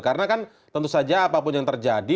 karena kan tentu saja apapun yang terjadi